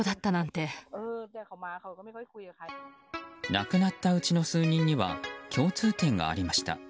亡くなったうちの数人には共通点がありました。